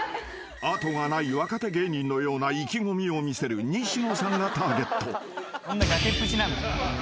［後がない若手芸人のような意気込みを見せる西野さんがターゲット］